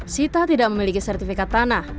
sita tidak memiliki sertifikat tanah